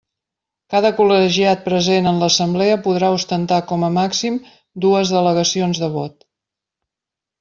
Cada col·legiat present en l'Assemblea podrà ostentar com a màxim dues delegacions de vot.